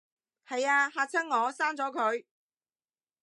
係吖，嚇親我，刪咗佢